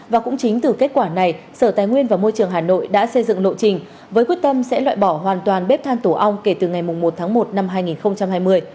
và cũng chính từ kết quả này sở tài nguyên và môi trường hà nội đã xây dựng lộ trình với quyết tâm sẽ loại bỏ hoàn toàn bếp than tổ ong kể từ ngày một tháng một năm hai nghìn hai mươi